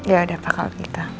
ya udah pak kalau gitu